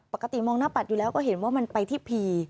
ปกติมองหน้าปัดอยู่แล้วก็เห็นว่ามันไปที่พี